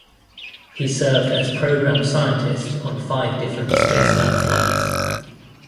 He served as Program Scientist on five different Spacelab flights.